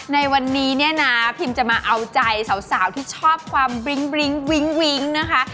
ในวันนี้นะพิมจะมาเอาใจสาวที่ชอบความบริ๊งวิ้งนะคะ